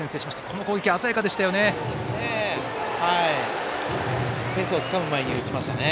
この攻撃、鮮やかでしたね。